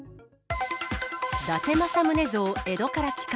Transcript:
伊達政宗像、江戸から帰還。